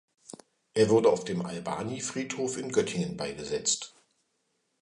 Er wurde auf dem Albani-Friedhof in Göttingen beigesetzt.